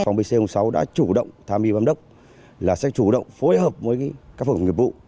công ty c sáu đã chủ động tham dự bám đốc là sẽ chủ động phối hợp với các phòng nghiệp vụ